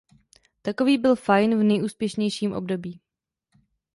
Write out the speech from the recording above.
Takový byl Fine v nejúspěšnějším období.